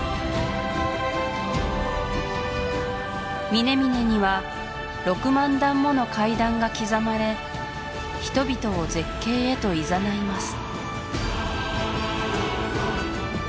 峰々には６万段もの階段が刻まれ人々を絶景へといざないます